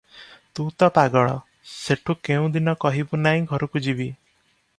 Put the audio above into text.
ତୁ ତ ପାଗଳ, ସେଠୁ କେଉଁ ଦିନ କହିବୁ ନାଇଁ ଘରକୁ ଯିବି ।"